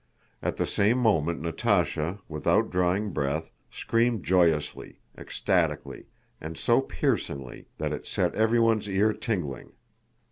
At the same moment Natásha, without drawing breath, screamed joyously, ecstatically, and so piercingly that it set everyone's ear tingling.